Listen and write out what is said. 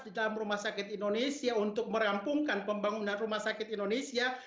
di dalam rumah sakit indonesia untuk merampungkan pembangunan rumah sakit indonesia